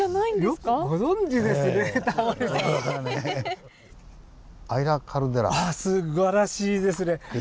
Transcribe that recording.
すばらしいですね！